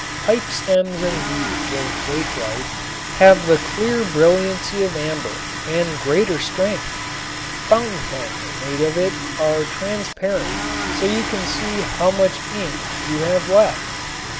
Pipestems and beads of bakelite have the clear brilliancy of amber and greater strength. Fountain pens made of it are transparent so you can see how much ink you have left.